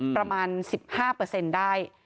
ประมาณ๑๕ได้